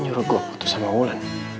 nyuruh gue putus sama wulan